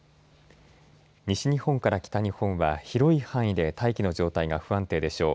西日本から北日本は広い範囲で大気の状態が不安定でしょう。